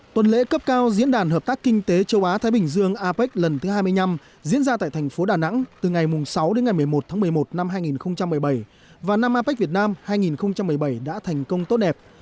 tuần lễ cấp cao diễn đàn hợp tác kinh tế châu á thái bình dương apec lần thứ hai mươi năm diễn ra tại thành phố đà nẵng từ ngày sáu đến ngày một mươi một tháng một mươi một năm hai nghìn một mươi bảy và năm apec việt nam hai nghìn một mươi bảy đã thành công tốt đẹp